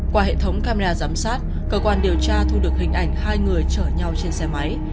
qua hệ thống camera giám sát cơ quan điều tra thu được hình ảnh hai người chở nhau trên xe máy